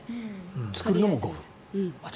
作るのも５分。